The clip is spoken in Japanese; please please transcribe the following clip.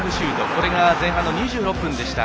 これが前半の２６分でした。